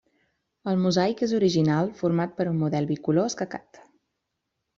El mosaic és original format per un model bicolor escacat.